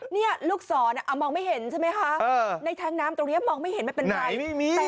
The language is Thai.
นี่ลูกศรมองไม่เห็นใช่ไหมคะในแท้งน้ำตรงนี้มองไม่เห็นไม่เป็นไร